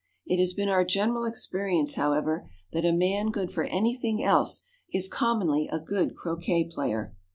It has been our general experience, however, that a man good for any thing else is commonly a good croquet player.